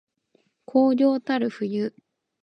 荒涼たる冬